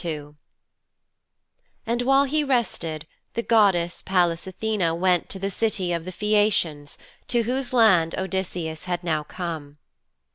II And while he rested the goddess, Pallas Athene, went to the City of the Phæacians, to whose land Odysseus had now come.